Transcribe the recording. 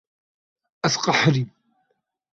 Ez qeherîm.